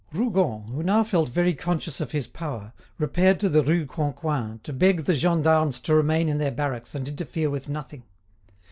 Rougon, who now felt very conscious of his power, repaired to the Rue Canquoin to beg the gendarmes to remain in their barracks and interfere with nothing.